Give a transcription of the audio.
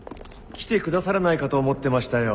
来てくださらないかと思ってましたよ。